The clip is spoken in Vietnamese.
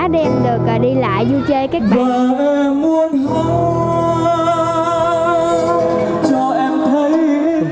để em được đi lại vui chơi với các bạn